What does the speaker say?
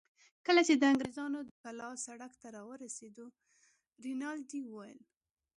کله چې د انګرېزانو د کلا سړک ته راورسېدو، رینالډي وویل.